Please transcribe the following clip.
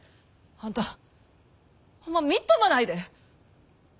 あんたホンマみっともないで。